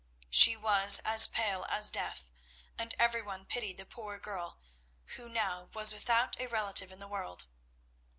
She was as pale as death, and every one pitied the poor girl who now was without a relative in the world.